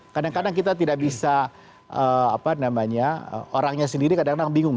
kadang kadang kita tidak bisa apa namanya orangnya sendiri kadang kadang bingung